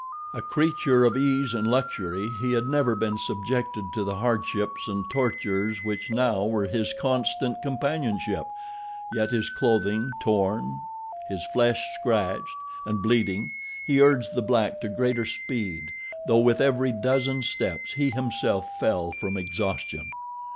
A creature of ease and luxury, he had never been subjected to the hardships and tortures which now were his constant companionship, yet, his clothing torn, his flesh scratched and bleeding, he urged the black to greater speed, though with every dozen steps he himself fell from exhaustion.